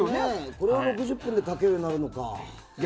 これを６０分で描けるようになるのか。